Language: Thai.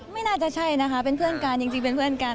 ไม่น่าจะใช่นะคะเป็นเพื่อนกันจริงเป็นเพื่อนกัน